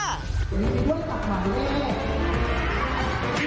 มีด้วยกับขวานเล่น